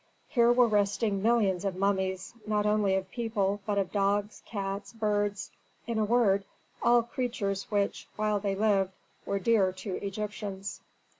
Here were resting millions of mummies, not only of people, but of dogs, cats, birds, in a word, all creatures which, while they lived, were dear to Egyptians.